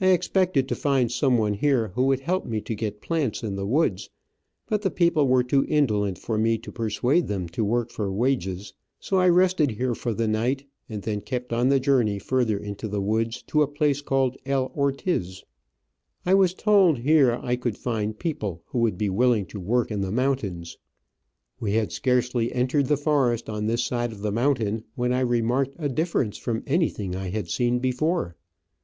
I expected to find someone here who would help me to get plants in the woods; but the people were too indolent for me to persuade them to work for wages, so I rested here for the night, and then kept on the journey further into the woods to a place called El Ortiz. I was told that here I could find people who would be willing to work in the mountains. We had scarcely entered the forest on this side of the mountain when I remarked a difference from anything I had seen before.